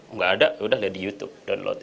nggak ada udah lihat di youtube download